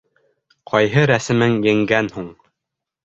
Ҡайһы рәсемең еңгән һуң?